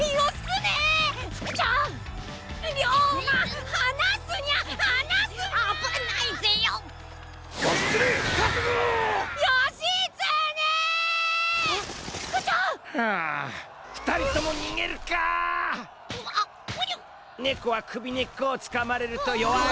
ねこはくびねっこをつかまれるとよわい。